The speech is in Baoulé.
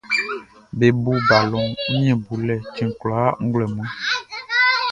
Be bo balɔn Wunmiɛn-lolɛ-cɛn kwlaa nglɛmun.